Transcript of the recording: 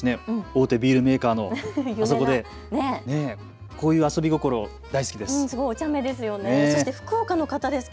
大手ビールメーカーのあそこで、こういう遊び心好きです。